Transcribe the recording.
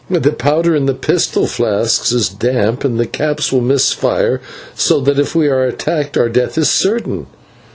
The powder in the pistol flasks is damp and the caps will miss fire, so that if we are attacked our death is certain."